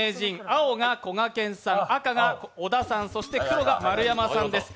青がこがけんさん、赤が小田さんそして黒が丸山さんです。